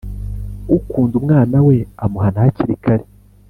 ukunda umwana we amuhana hakiri kare